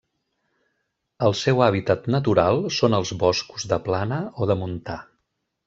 El seu hàbitat natural són els boscos de plana o de montà.